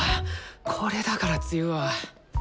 これだから梅雨は。